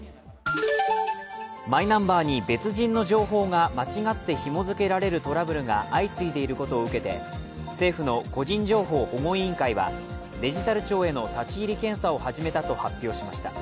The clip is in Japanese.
マイナンバーに別人の情報が間違ってひも付けられるトラブルが相次いでいることを受けて政府の個人情報保護委員会はデジタル庁への立入検査を始めたと発表しました。